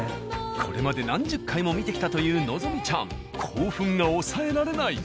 これまで何十回も見てきたという希ちゃん興奮が抑えられない。